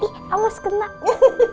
ih awas kenap